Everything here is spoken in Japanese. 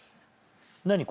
何？